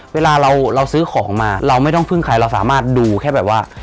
เวลาเราซื้อของมาเราไม่ต้องพึ่งใครเราสามารถดูแค่แบบว่า